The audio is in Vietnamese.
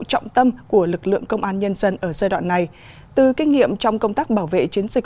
trọng tâm của lực lượng công an nhân dân ở giai đoạn này từ kinh nghiệm trong công tác bảo vệ chiến dịch